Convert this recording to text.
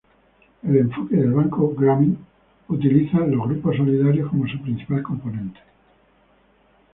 El enfoque del Banco Grameen utiliza los grupos solidarios como su principal componente.